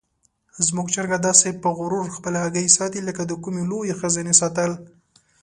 زموږ چرګه داسې په غرور خپلې هګۍ ساتي لکه د کومې لویې خزانې ساتل.